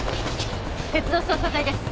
鉄道捜査隊です。